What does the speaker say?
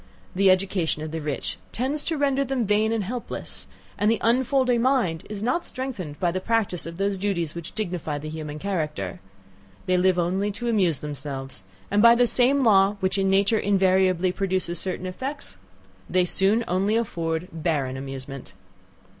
the education of the rich tends to render them vain and helpless, and the unfolding mind is not strengthened by the practice of those duties which dignify the human character. They only live to amuse themselves, and by the same law which in nature invariably produces certain effects, they soon only afford barren amusement.